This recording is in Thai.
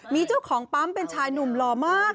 มีเจ้าของปั๊มเป็นชายหนุ่มหล่อมาก